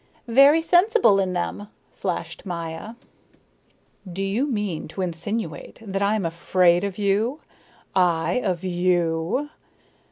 "Very sensible in them," flashed Maya. "Do you mean to insinuate that I am afraid of you I of you?"